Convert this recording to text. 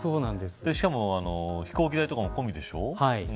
しかも飛行機代とかも込みでしょ。